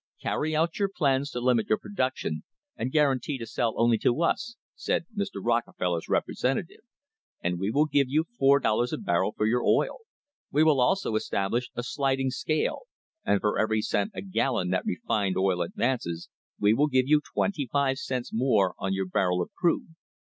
"Carry out your plans to limit your production and guarantee to sell only to us," said Mr. Rockefeller's representative, "and we will give you four dol lars a barrel for your oil. We will also establish a sliding scale, and for every cent a gallon that refined oil advances we will give you twenty five cents more on your barrel of crude.